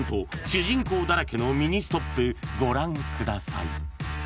「主人公だらけのミニストップ」ご覧ください